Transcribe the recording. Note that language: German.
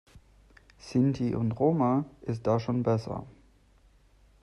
Sinti und Roma ist da schon besser.